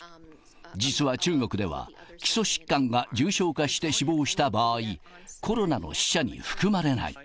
実は中国では、基礎疾患が重症化して死亡した場合、コロナの死者に含まれない。